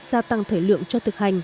gia tăng thời lượng cho thực hành